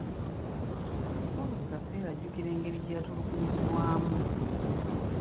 Kuba buli kaseera ajjukira engeri gye yatulugunyizibwamu.